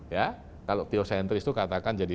ya kalau teosentris itu katakan jadi